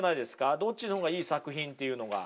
どっちの方がいい作品っていうのが。